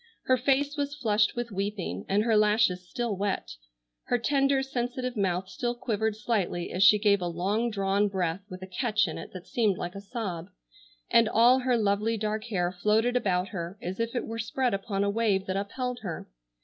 Her face was flushed with weeping, and her lashes still wet. Her tender, sensitive mouth still quivered slightly as she gave a long drawn breath with a catch in it that seemed like a sob, and all her lovely dark hair floated about her as if it were spread upon a wave that upheld her.